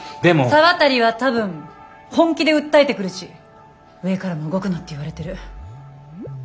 沢渡は多分本気で訴えてくるし上からも動くなって言われてる。